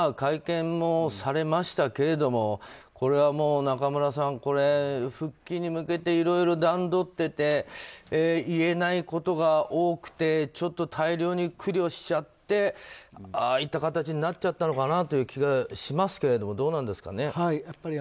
強くて会見もされましたがこれはもう中村さん復帰に向けていろいろ段取ってて言えないことが多くてちょっと大量に苦慮しちゃってああいった形になっちゃった気がしますけれどもどうですかね。